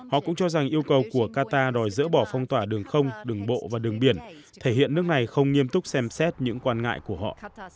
họ cũng cho rằng yêu cầu của qatar đòi dỡ bỏ phong tỏa đường không đường bộ và đường biển thể hiện nước này không nghiêm túc xem xét những quan ngại của họ